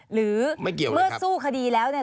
หรือเมื่อสู้คดีแล้วเนี่ย